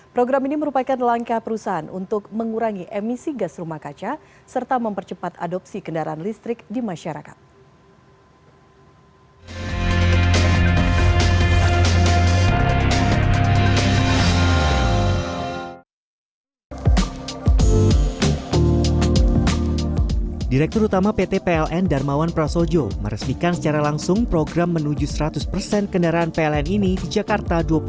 program ini merupakan langkah perusahaan untuk mengurangi emisi gas rumah kaca serta mempercepat adopsi kendaraan listrik di masyarakat